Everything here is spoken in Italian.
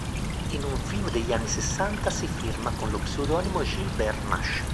In un film degli anni sessanta si firma con lo pseudonimo Gilbert Mash.